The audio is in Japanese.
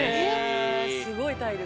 すごい体力。